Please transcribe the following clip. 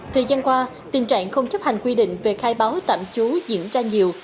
thời gian qua tình trạng không chấp hành quy định về khai báo tạm trú diễn ra nhiều